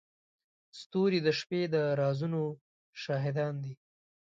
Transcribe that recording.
ستوري د شپې د رازونو شاهدان دي.